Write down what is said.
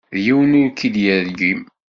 Yiwen ur k-id-yergim.